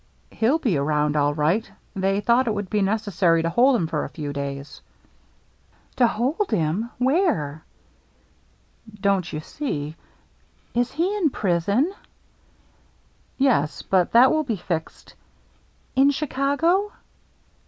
" He'll be around all right. They thought it would be necessary to hold him for a few days." " To hold him, — where ?"" Don't you see —"" Is he in prison ?" "Yes, but that will be fixed —"" In Chicago